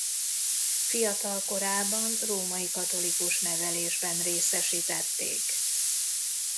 Fiatalkorában római katolikus nevelésben részesítették.